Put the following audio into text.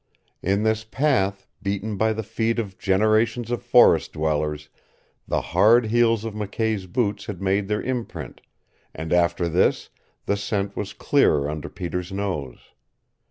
In this path, beaten by the feet of generations of forest dwellers, the hard heels of McKay's boots had made their imprint, and after this the scent was clearer under Peter's nose.